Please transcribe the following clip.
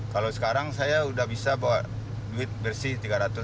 kalau sekarang saya sudah bisa bawa duit bersih tiga ratus